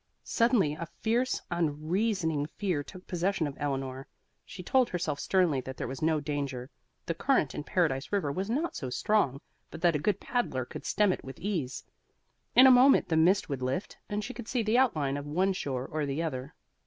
Suddenly a fierce, unreasoning fear took possession of Eleanor. She told herself sternly that there was no danger; the current in Paradise River was not so strong but that a good paddler could stem it with ease. In a moment the mist would lift and she could see the outline of one shore or the other.